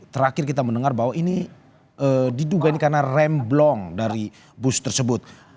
terakhir kita mendengar bahwa ini diduga ini karena rem blong dari bus tersebut